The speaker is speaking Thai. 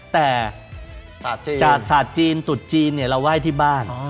แต่จากศาสตร์จีนตุ๊จีนเนี่ยเราไหว้ที่บ้าน